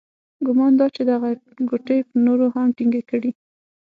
ګمان دادی چې دغه غوټې به نورې هم ټینګې کړي.